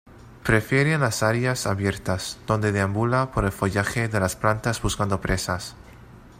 Prefieren las áreas abiertas, donde deambula por el follaje de las plantas buscando presas.